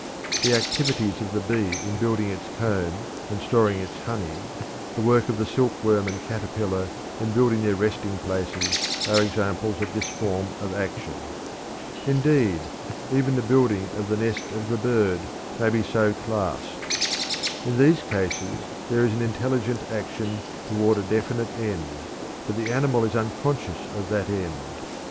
The activities of the bee in building its comb and storing its honey, the work of the silkworm and caterpillar in building their resting places, are examples of this form of action. Indeed, even the building of the nest of the bird may be so classed. In these cases there is an intelligent action toward a definite end, but the animal is unconscious of that end.